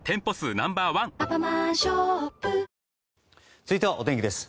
続いてはお天気です。